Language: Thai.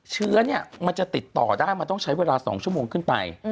เชื้อเนี่ยมันจะติดต่อได้มันต้องใช้เวลา๒ชั่วโมงขึ้นไป